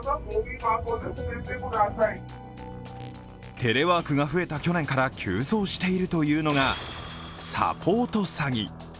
テレワークが増えた去年から急増しているというのがサポート詐欺。